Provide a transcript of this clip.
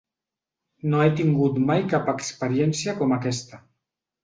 No he tingut mai cap experiència com aquesta.